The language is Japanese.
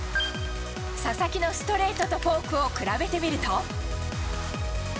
佐々木のストレートとフォークを比べてみると。